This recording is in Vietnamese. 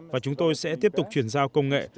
và chúng tôi sẽ tiếp tục chuyển giao công nghệ